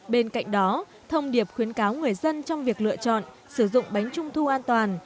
bên cạnh đó thông điệp khuyến cáo người dân trong việc lựa chọn sử dụng bánh trung thu an toàn